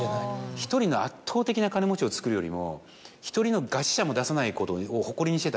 １人の圧倒的な金持ちをつくるよりも１人の餓死者も出さないことを誇りにしてた。